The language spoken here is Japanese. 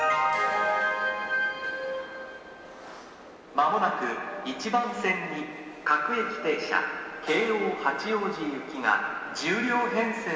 「まもなく１番線に各駅停車京王八王子行きが１０両編成で参ります」